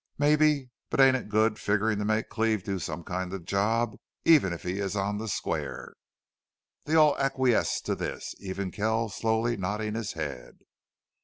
"Mebbe. But ain't it good figgerin' to make Cleve do some kind of a job, even if he is on the square?" They all acquiesced to this, even Kells slowly nodding his head.